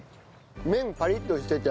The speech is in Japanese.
麺パリッとしてて。